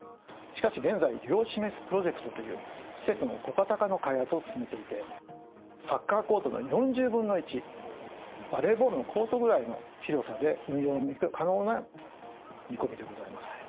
しかし現在量子メスプロジェクトという施設の小型化の開発を進めていてサッカーコートの４０分の１バレーボールのコートぐらいの広さで運用可能な見込みでございます。